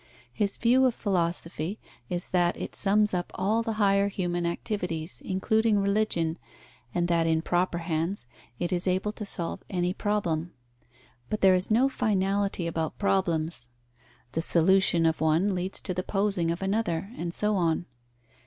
His view of philosophy is that it sums up all the higher human activities, including religion, and that in proper hands it is able to solve any problem. But there is no finality about problems: the solution of one leads to the posing of another, and so on.